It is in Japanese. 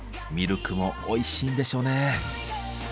ミルクもおいしいんでしょうね。